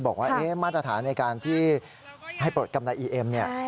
บอกว่ามาตรฐานในการที่ให้ปลดกำไรอีเอ็มเนี่ย